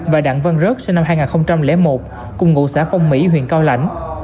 và đặng văn rớt sinh năm hai nghìn một cùng ngụ xã phong mỹ huyện cao lãnh